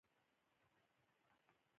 جانداد د زړه صفا ښکاره ښکاري.